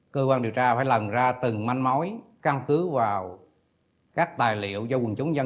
cơ quan điều tra phải lần ra từng manh mối căn cứ vào các tài liệu do quần chúng dân